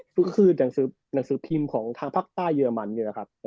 ก็คือหนังสือพิมพ์ของทางภาคใต้เยอรมันเนี่ยนะครับ